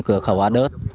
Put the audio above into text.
phòng cửa khẩu hóa đớt